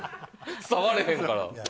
伝われへんから。